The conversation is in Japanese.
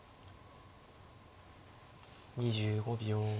２５秒。